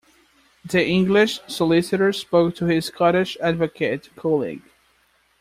The English solicitor spoke to his Scottish advocate colleague